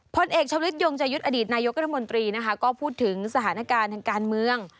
พลเอกชาวลิศยงใจยุทธ์อดีตนายกรัฐมนตรีนะคะก็พูดถึงสถานการณ์ทางการเมือง